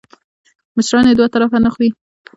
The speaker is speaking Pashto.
مشران یې دوه طرفه نه خوري .